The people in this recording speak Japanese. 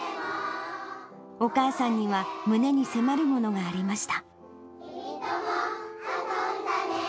お母さんには胸に迫るものがありました。